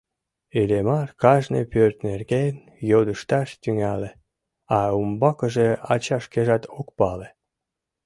Иллимар кажне пӧрт нерген йодышташ тӱҥале, а умбакыже ача шкежат ок пале.